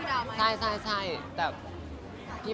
พี่แหม่มพูดพี่ดาวน์อะไรอย่างนี้นึกถึงไหน